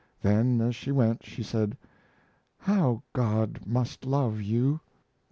Then, as she went, she said: "How God must love you!"